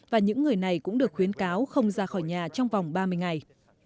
và những người này cũng được khuyến cáo không ra khỏi nhà trong vòng ba mươi ngày